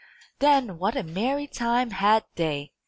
Then what a merry time had they!